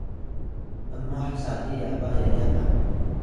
’mwah sali yaba yaya la